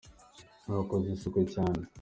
Twakoze isuku cyane.